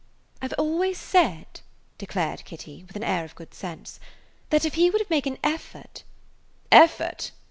"I 've always said," declared Kitty, with an air of good sense, "that if he would make an effort–" "Effort!"